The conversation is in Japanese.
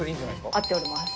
合っております。